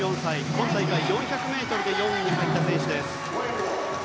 今大会、４００ｍで４位に入った選手です。